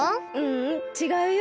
ううんちがうよ。